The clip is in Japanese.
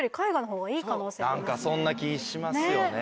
何かそんな気しますよね。